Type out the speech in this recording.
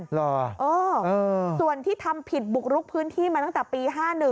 เหรอส่วนที่ทำผิดบุกรุกพื้นที่มาตั้งแต่ปี๕๑